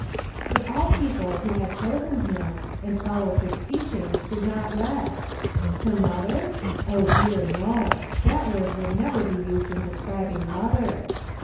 ' But all people who had chosen him, and followed his teachings did not rest. Her mother? dear, no ! that word would never be used in describ ing Mother.